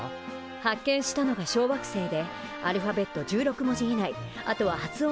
発見したのが小惑星でアルファベット１６文字以内あとは発音できるものならね